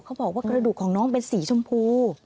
เขาบอกว่ากระดูกของน้องเป็นสีชมพู